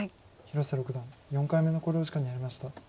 広瀬六段４回目の考慮時間に入りました。